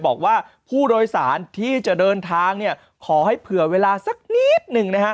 บอกว่าผู้โดยสารที่จะเดินทางเนี่ยขอให้เผื่อเวลาสักนิดหนึ่งนะฮะ